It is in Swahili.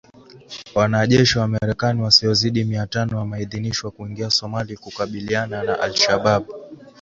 Wanajeshi wa Marekani wasiozidi mia tano wameidhinishwa kuingia Somalia kukabiliana na Al Shabaab.